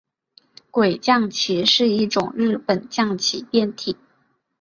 鬼将棋是一种日本将棋变体。